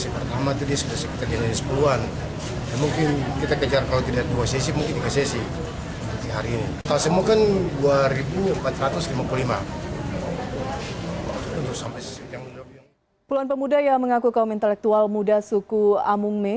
puluhan pemuda yang mengaku kaum intelektual muda suku amungme